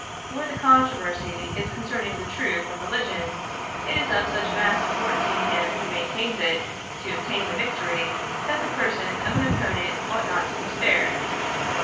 But where the controversy is concerning the truth of religion, it is of such vast importance to him who maintains it, to obtain the victory, that the person of an opponent ought not to be spared.